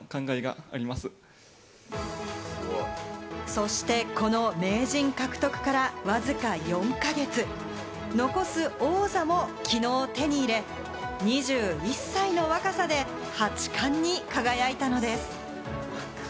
そして、この名人獲得からわずか４か月、残す王座もきのう手に入れ、２１歳の若さで八冠に輝いたのです。